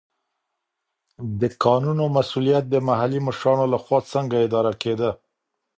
د کانونو مسوولیت د محلي مشرانو له خوا څنګه اداره کېده؟